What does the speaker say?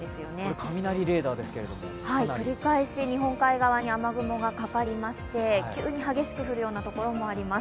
雷レーダーですが、かなり繰り返し日本海側に雨雲がかかりまして急に激しく降るようなところもあります。